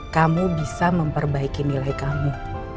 kamu bisa memperbaiki nilai kamu